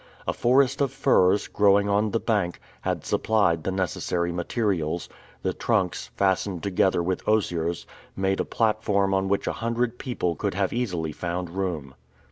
A forest of firs, growing on the bank, had supplied the necessary materials; the trunks, fastened together with osiers, made a platform on which a hundred people could have easily found room.